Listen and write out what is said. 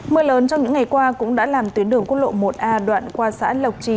mưa lớn trong những ngày qua cũng đã làm tuyến đường quốc lộ một a đoạn qua xã lộc trì